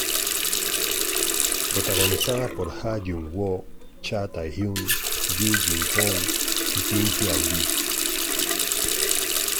Protagonizada por Ha Jung-woo, Cha Tae-hyun, Ju Ji-hoon y Kim Hyang-gi.